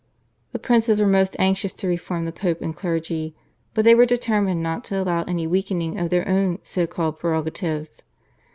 The princes were most anxious to reform the Pope and clergy, but they were determined not to allow any weakening of their own so called prerogatives.